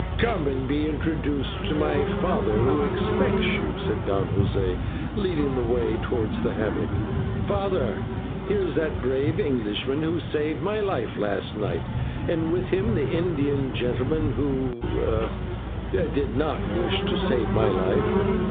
"Come and be introduced to my father, who expects you," said Don José, leading the way towards the hammock. "Father, here is that brave Englishman who saved my life last night, and with him the Indian gentleman, who did not wish to save my life.